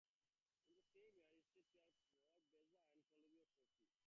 In the same year he assisted Theodore Beza at the colloquy of Poissy.